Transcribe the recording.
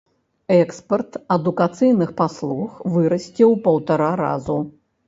Экспарт адукацыйных паслуг вырасце ў паўтара разу.